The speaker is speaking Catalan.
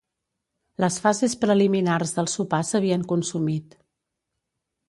Les fases preliminars del sopar s'havien consumit.